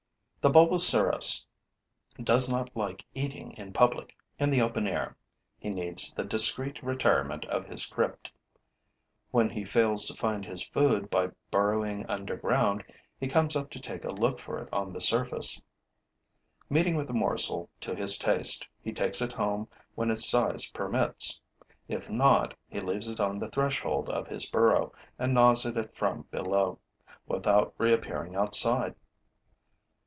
The Bolboceras does not like eating in public, in the open air; he needs the discreet retirement of his crypt. When he fails to find his food by burrowing under ground, he comes up to look for it on the surface. Meeting with a morsel to his taste, he takes it home when its size permits; if not, he leaves it on the threshold of his burrow and gnaws at it from below, without reappearing outside.